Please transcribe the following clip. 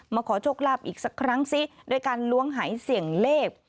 ขอโชคลาภอีกสักครั้งซิโดยการล้วงหายเสี่ยงเลข